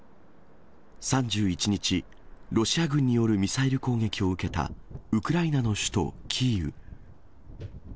３１日、ロシア軍によるミサイル攻撃を受けた、ウクライナの首都キーウ。